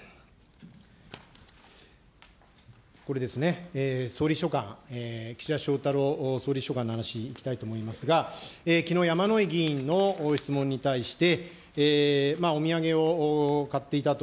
これですね、総理秘書官、岸田翔太郎総理秘書官の話にいきたいと思いますが、きのう、山井議員の質問に対して、お土産を買っていたと。